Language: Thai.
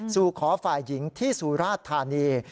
สู่ขอฝ่ายหญิงที่สุราชธานี